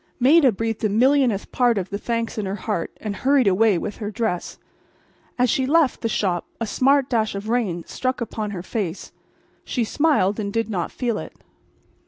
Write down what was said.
Maida breathed a millionth part of the thanks in her heart, and hurried away with her dress. As she left the shop a smart dash of rain struck upon her face. She smiled and did not feel it.